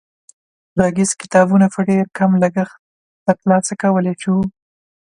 غږیز کتابونه په ډېر کم لګښت تر لاسه کولای شو.